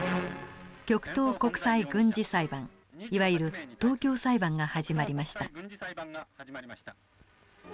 極東国際軍事裁判いわゆる東京裁判が始まりました。